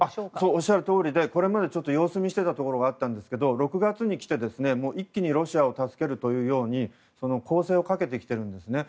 おっしゃるとおりでこれまで様子見していたところがあるんですが６月にきて一気にロシアを助けるというように攻勢をかけてきてるんですね。